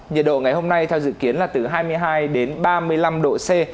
nhiệt độ ngày hôm nay theo dự kiến là từ hai mươi hai đến ba mươi năm độ c